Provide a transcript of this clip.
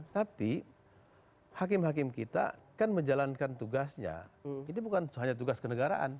tapi hakim hakim kita kan menjalankan tugasnya ini bukan hanya tugas kenegaraan